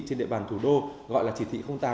trên địa bàn thủ đô gọi là chỉ thị tám